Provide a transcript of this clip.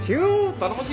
頼もしい。